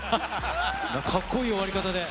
かっこいい終わり方で。